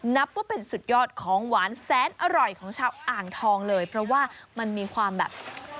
นับว่าเป็นสุดยอดของหวานแสนอร่อยของชาวอ่างทองเลยเพราะว่ามันมีความแบบ